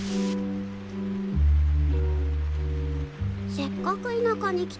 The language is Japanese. せっかく田舎に来たのに。